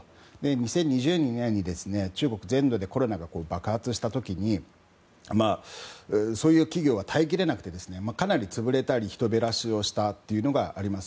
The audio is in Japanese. ２０２２年に中国全土でコロナが爆発した時にそういう企業は耐えきれなくてかなり潰れたり人減らしをしたというのがあります。